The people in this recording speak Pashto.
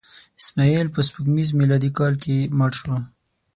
اسماعیل په سپوږمیز میلادي کال کې مړ شو.